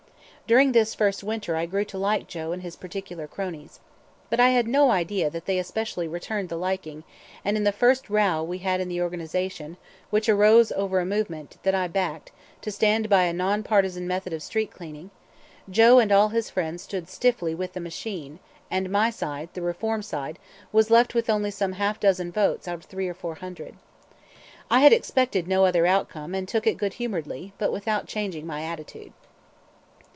During this first winter I grew to like Joe and his particular cronies. But I had no idea that they especially returned the liking, and in the first row we had in the organization (which arose over a movement, that I backed, to stand by a non partisan method of street cleaning) Joe and all his friends stood stiffly with the machine, and my side, the reform side, was left with only some half dozen votes out of three or four hundred. I had expected no other outcome and took it good humoredly, but without changing my attitude.